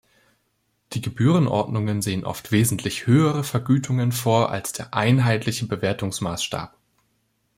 Die Gebührenordnungen sehen oft wesentlich höhere Vergütungen vor als der Einheitliche Bewertungsmaßstab.